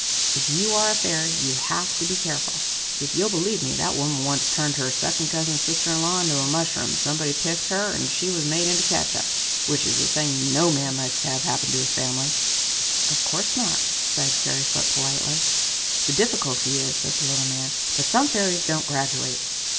If you are a fairy, you have to be careful. If you'll believe me, that woman once turned her second cousin's sister in law into a mushroom, and somebody picked her, and she was made into catsup, which is a thing no man likes to have happen in his family!" [Illustration: "WHY," EXCLAIMED FAIRYFOOT, "I'M SURPRISED!"] "Of course not," said Fairyfoot, politely. "The difficulty is," said the little man, "that some fairies don't graduate.